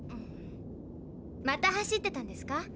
また走ってたんですか？